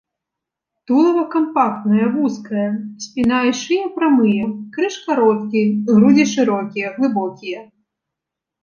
Тулава кампактнае, вузкае, спіна і шыя прамыя, крыж кароткі, грудзі шырокія, глыбокія.